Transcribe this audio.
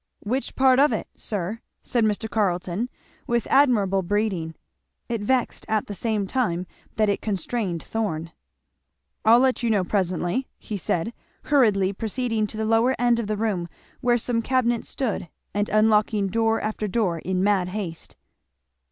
"Which part of it, sir?" said Mr. Carleton with admirable breeding. It vexed at the same time that it constrained Thorn. "I'll let you know presently!" he said, hurriedly proceeding to the lower end of the room where some cabinets stood, and unlocking door after door in mad haste.